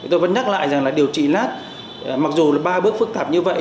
tôi vẫn nhắc lại rằng là điều trị nát mặc dù là ba bước phức tạp như vậy